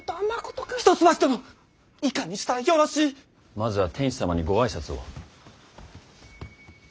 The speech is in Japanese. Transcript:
まずは天子様にご挨拶を。